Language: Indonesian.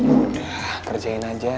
udah kerjain aja